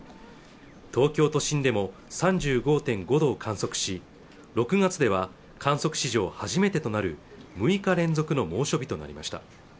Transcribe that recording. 東京都心でも３５．５度を観測し６月では観測史上初めてとなる６日連続の猛暑日となりました